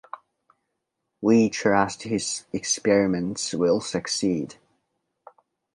We trust his experiments will succeed.